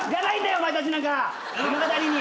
お前たちなんか物語に。